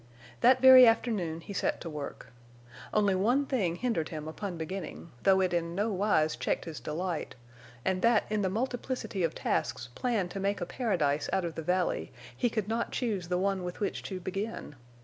That very afternoon he set to work. Only one thing hindered him upon beginning, though it in no wise checked his delight, and that in the multiplicity of tasks planned to make a paradise out of the valley he could not choose the one with which to begin.